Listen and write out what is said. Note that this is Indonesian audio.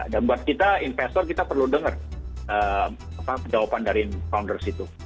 dan buat kita investor kita perlu dengar jawaban dari founders itu